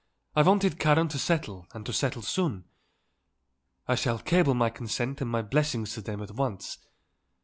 I wanted Karen to settle and to settle soon. I shall cable my consent and my blessings to them at once.